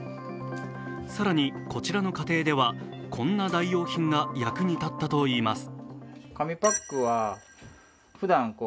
更に、こちらの家庭ではこんな代用品が役に立ったといいます。